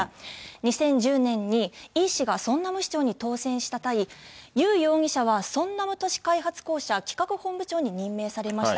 ２０１０年にイ氏がソンナム市長に当選した際、ユ容疑者はソンナム都市開発公社企画本部長に任命されました。